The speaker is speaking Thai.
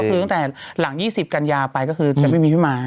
คือหลัง๒๐กันยาไปก็คือจะไม่มีพี่ม้า